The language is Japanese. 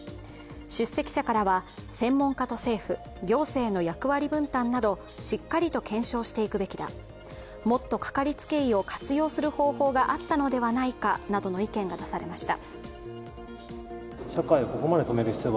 出席者からは、専門家と政府、行政の役割分担などしっかりと検証していくべきだもっと、かかりつけ医を活用する方法が合ったのではないかとの意見が出されました。